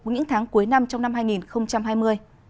những tháng cuối năm trong năm hai nghìn hai mươi